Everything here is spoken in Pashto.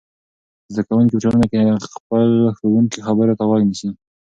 زده کوونکي په ټولګي کې د خپل ښوونکي خبرو ته غوږ نیسي.